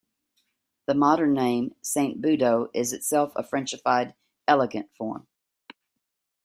The modern name, Saint Budeaux, is itself a Frenchified "elegant" form.